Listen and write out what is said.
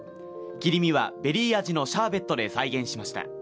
切り身はベリー味のシャーベットで再現しました。